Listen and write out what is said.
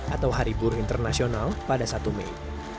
atau hari buruh internasional pada satu mei